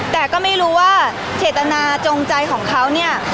แต่ก็ไม่รู้ว่าเจตนาจงใจของเขาเนี่ย